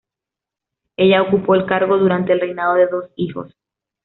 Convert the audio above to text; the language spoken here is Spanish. Ella ocupó el cargo durante el reinado de dos hijos.